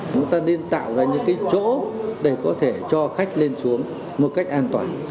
chúng ta nên tạo ra những cái chỗ để có thể cho khách lên xuống một cách an toàn